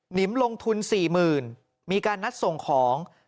นิมลงทุน๔๐๐๐มีการนัดส่งของ